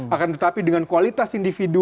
akan tetapi dengan kualitas individu